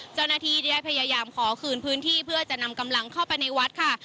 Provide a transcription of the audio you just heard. เจ้าหน้าที่ได้พยายามขอคืนพื้นที่เพื่อจะนำกำลังเข้าไปในวัดค่ะ